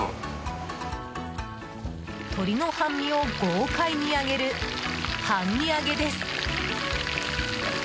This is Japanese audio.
鶏の半身を豪快に揚げる半身揚げです。